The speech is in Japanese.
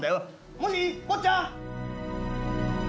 もしぃ坊ちゃん！」。